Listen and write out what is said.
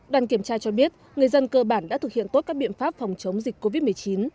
đoàn kiểm tra cho biết người dân cơ bản đã thực hiện tốt các biện pháp phòng chống dịch covid một mươi chín